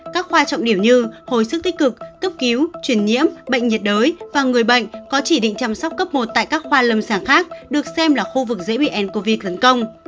các khoa trọng điểm như hồi sức tích cực cấp cứu truyền nhiễm bệnh nhiệt đới và người bệnh có chỉ định chăm sóc cấp một tại các khoa lâm sàng khác được xem là khu vực dễ bị ncov tấn công